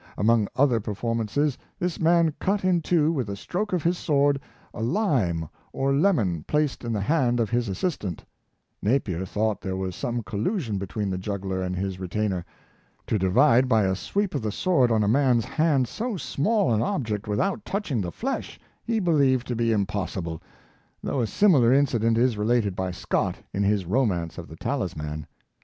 Among other performances this man cut in two with a stroke of his sword a lime or lemon placed in the hand of his assistant Napier thought there was some collusion between the juggler and his retainer. To divide by a sweep of the sword on a man's hand so small an object without touching the flesh he believed to be impossible, though a similar incident is related by Scott in his romance of the "Talisman."